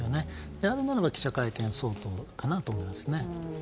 であるのであれば、記者会見が相当かなと思いますね。